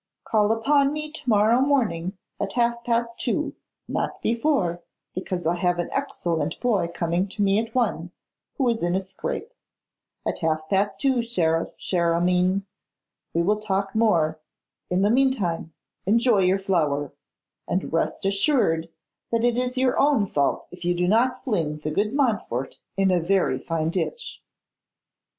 Call upon me to morrow morning, at half past two; not before, because I have an excellent boy coming to me at one, who is in a scrape. At half past two, cher, cher Armine, we will talk more. In the meantime, enjoy your flower; and rest assured that it is your own fault if you do not fling the good Montfort in a very fine ditch.